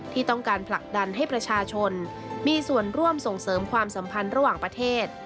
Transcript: ที่ต้องการผลักดันให้ประชาชนมีส่วนร่วมส่งเสริมความสัมพันธ์ระหว่างประเทศ